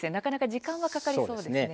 時間がかかりそうですね。